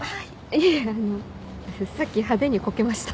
いえあのさっき派手にコケました。